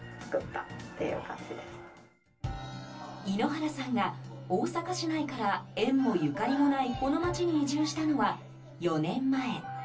猪原さんが大阪市内から縁もゆかりもないこの町に移住したのは４年前。